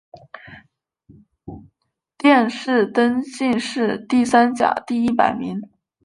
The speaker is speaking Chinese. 殿试登进士第三甲第一百名。